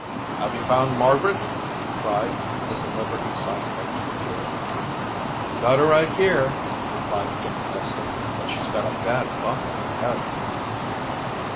"Have you found Margaret?" he cried as the Liberty sidled up to the pier. "Got her right here," replied Jim Preston, "but she's got a bad bump on her head."